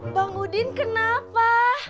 bang udin kenapa